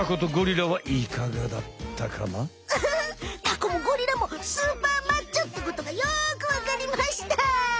タコもゴリラもスーパーマッチョってことがよくわかりました！